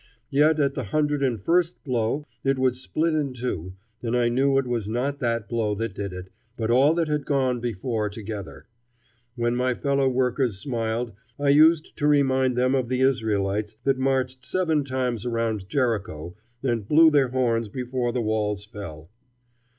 Yet at the hundred and first blow it would split in two, and I knew it was not that blow that did it, but all that had gone before together. When my fellow workers smiled, I used to remind them of the Israelites that marched seven times around Jericho and blew their horns before the walls fell.